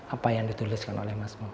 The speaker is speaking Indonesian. apa yang dituliskan oleh mas